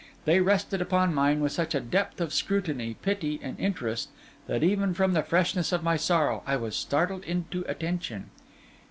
They rested upon mine with such a depth of scrutiny, pity, and interest, that even from the freshness of my sorrow, I was startled into attention.